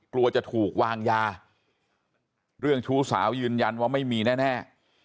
กลัวจะถูกวางยาเรื่องชู้สาวยืนยันว่าไม่มีแน่